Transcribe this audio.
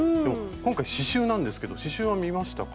今回刺しゅうなんですけど刺しゅうは見ましたか？